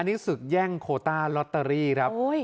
อันนี้ศึกแย่งโคตาร็อตเตอรี่ครับโอ้ย